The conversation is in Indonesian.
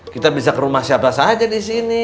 kita bisa ke rumah siapa saja di sini